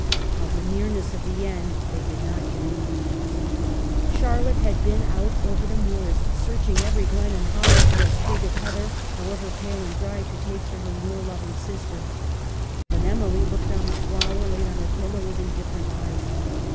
Of the nearness of the end they did not dream. Char 3 o6 EMILY BRONTE. ' lotte had been out over the moors, searching every glen and hollow for a sprig of heather, however pale and dry, to take to her moor loving sister. But Emily looked on the flower laid on her pillow with indifferent eyes.